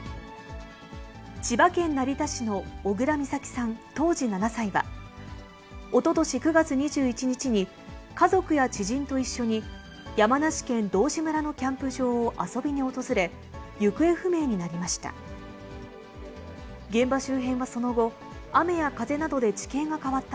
千葉県成田市の小倉美咲さん当時７歳は、おととし９月２１日に家族や知人と一緒に山梨県道志村のキャンプ場を遊びに訪れ、行方不明になりました。